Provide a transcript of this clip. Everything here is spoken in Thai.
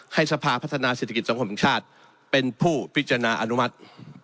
สภาพัฒนาเศรษฐกิจสังคมแห่งชาติเป็นผู้พิจารณาอนุมัติ